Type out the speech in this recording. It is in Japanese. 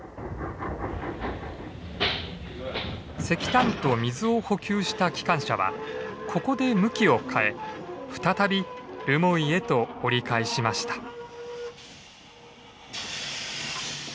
石炭と水を補給した機関車はここで向きを変え再び留萌へと折り返しました。